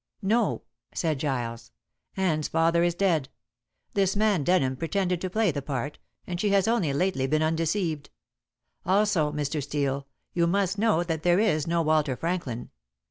"No," said Giles, "Anne's father is dead. This man Denham pretended to play the part, and she has only lately been undeceived. Also, Mr. Steel, you must know that there is no Walter Franklin.